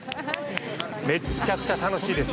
めっちゃくちゃ楽しいです。